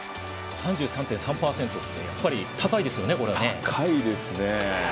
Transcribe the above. ３３．３％ってやっぱり高いですよね。